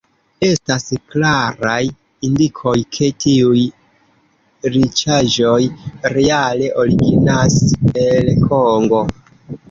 Estas klaraj indikoj, ke tiuj riĉaĵoj reale originas el Kongo.